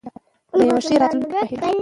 د یوې ښې راتلونکې په هیله.